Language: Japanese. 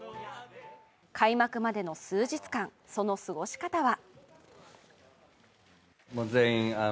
開幕までの数日間、その過ごし方は。